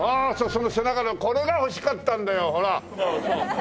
その背中のこれが欲しかったんだよほら。